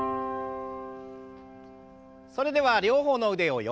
それでは両方の腕を横。